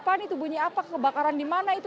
pan itu bunyi apa kebakaran di mana itu